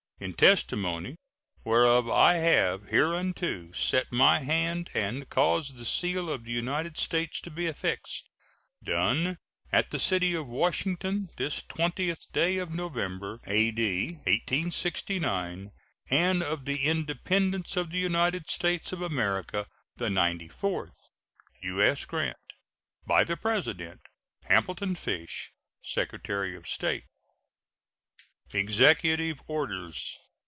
In testimony whereof I have hereunto set my hand and caused the seal of the United States to be affixed. [SEAL.] Done at the city of Washington, this 20th day of November, A.D. 1869, and of the Independence of the United States of America the ninety fourth. U.S. GRANT. By the President: HAMILTON FISH, Secretary of State. EXECUTIVE ORDERS.